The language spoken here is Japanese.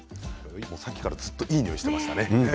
さっきからずっといいにおいがしていましたね